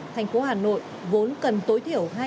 thành phố hà nội vốn cần tối thiểu